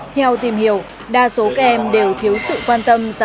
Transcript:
theo tìm hiểu đa số các em đều thiếu sự quan tâm